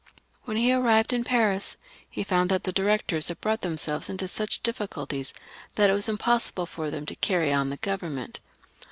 When he arrived in Paris he found that the Directors had brought themselves into such difficulties that it was impossible for them to carry on the Grovernment.